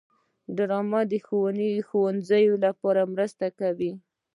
ډرامه د ښوونځیو لپاره مرسته کوي